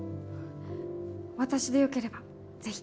私でよければぜひ。